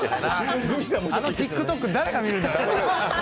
あのＴｉｋＴｏｋ誰が見るんだよ。